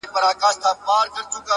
هره ستونزه یو درس لري